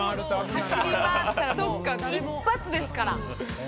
走り回ったらもう一発ですから。